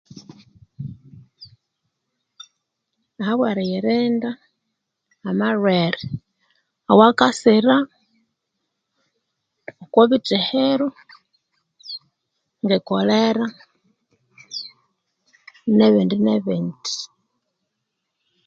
Habwa eriyirinda amalhwere awakasira okwa bithehero ngekolera nebindinebindi